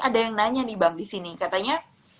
ada yang nanya nih bang disini katanya